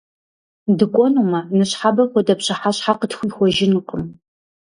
ДыкӀуэнумэ, ныщхьэбэ хуэдэ пщыхьэщхьэ къытхуихуэжынкъым!